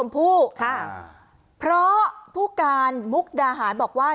เพราะผู้การมุกดาหารบอกว่า